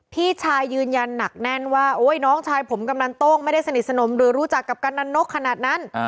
พี่ชายยืนยันหนักแน่นว่าโอ๊ยน้องชายผมกำนันโต้งไม่ได้สนิทสนมหรือรู้จักกับกำนันนกขนาดนั้น